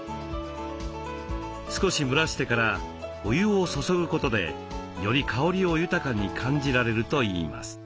少し蒸らしてからお湯を注ぐことでより香りを豊かに感じられるといいます。